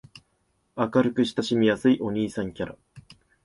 明るく親しみやすいお兄さんキャラ